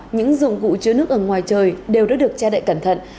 những dụng cụ chứa nước ở ngoài trời đều đã được che đậy cẩn thận